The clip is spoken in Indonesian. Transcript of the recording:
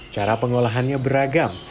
cara pengolahannya beragam